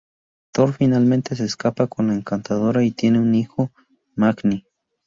Thor finalmente se casa con la Encantadora y tiene un hijo, Magni.